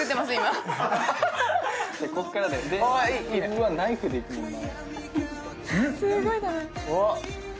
うわ、ナイフでいくもんな。